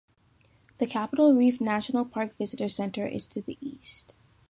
The Capitol Reef National Park Visitors Center is to the east.